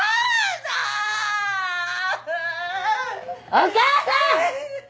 お母さん！！